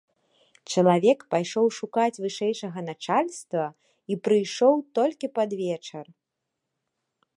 Чалавек пайшоў шукаць вышэйшага начальства і прыйшоў толькі пад вечар.